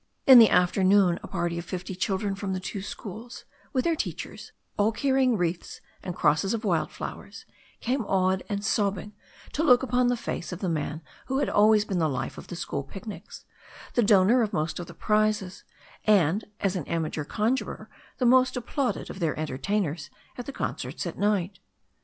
In the after noon a party of fifty children from the two schools, with their teachers, all carrying wreaths and crosses of wild flowers, came awed and sobbing to look upon the face of the man who had always been the life of the school picnics, the donor of most of the prizes, and as an amateur con jurer the most applauded of their entertainers at the con certs at night.